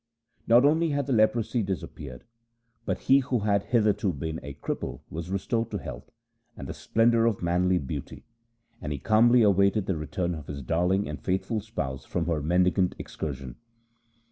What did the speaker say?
Not only had the leprosy disappeared, but he who had hitherto been a cripple was restored to health and the splendour of manly beauty, and he calmly awaited the return of his darling and faithful spouse from her mendicant excursion.